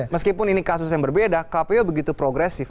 meskipun ini kasus yang berbeda kpu begitu progresif